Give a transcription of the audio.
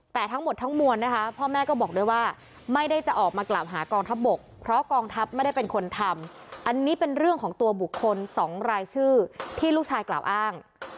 แต่ทั้งหมดทั้งมวลนะคะพ่อแม่ก็บอกด้วยว่าไม่ได้จะออกมากล่าวหากองทัพบกเพราะกองทัพไม่ได้เป็นคนทำอันนี้เป็นเรื่องของตัวบุคคล๒รายชื่อที่ลูกชายกล่าวอ้าง